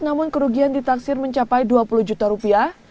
namun kerugian ditaksir mencapai dua puluh juta rupiah